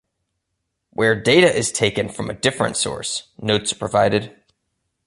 Where data is taken from a different source, notes are provided.